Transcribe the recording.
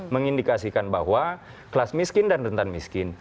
mengindikasikan bahwa kelas miskin dan rentan miskin